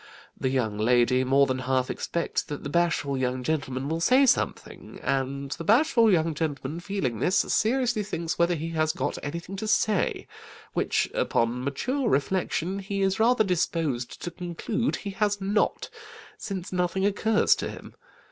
The young lady more than half expects that the bashful young gentleman will say something, and the bashful young gentleman feeling this, seriously thinks whether he has got anything to say, which, upon mature reflection, he is rather disposed to conclude he has not, since nothing occurs to him.